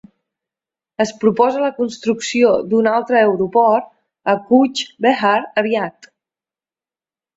Es proposa la construcció d'un altre aeroport a Cooch Behar aviat.